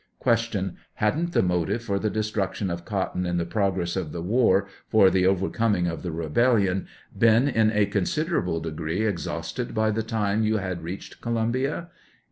Q. Hadn't the motive for the destruction of cotton in the progress of the war, for the overcoming of the rebellion, been in a considerable degree exhausted by the time you had reached Columbia?